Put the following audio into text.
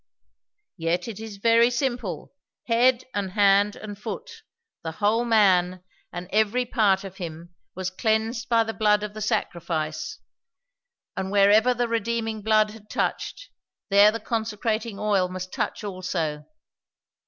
"Yet it is very simple. Head and hand and foot, the whole man and every part of him was cleansed by the blood of the sacrifice; and whereever the redeeming blood had touched, there the consecrating oil must touch also.